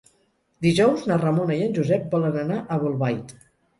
Dijous na Ramona i en Josep volen anar a Bolbait.